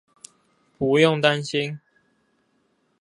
不用擔心